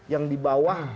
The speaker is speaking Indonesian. yang di bawah